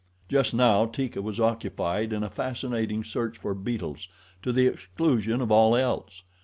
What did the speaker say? Just now Teeka was occupied in a fascinating search for beetles, to the exclusion of all else.